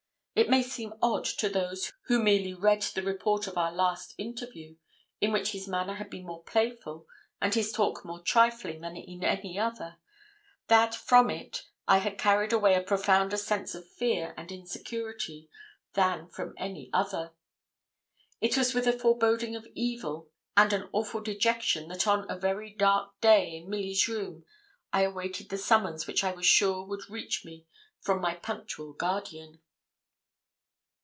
It may seem odd to those who merely read the report of our last interview, in which his manner had been more playful and his talk more trifling than in any other, that from it I had carried away a profounder sense of fear and insecurity than from any other. It was with a foreboding of evil and an awful dejection that on a very dark day, in Milly's room, I awaited the summons which I was sure would reach me from my punctual guardian.